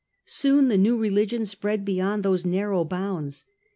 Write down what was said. Soon the new religion spread beyond those narrow bounds.